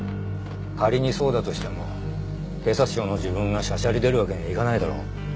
仮にそうだとしても警察庁の自分がしゃしゃり出るわけにはいかないだろ。